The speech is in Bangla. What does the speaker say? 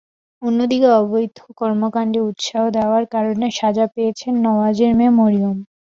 অন্যদিকে অবৈধ কর্মকাণ্ডে উৎসাহ দেওয়ার কারণে সাজা পেয়েছেন নওয়াজের মেয়ে মরিয়ম।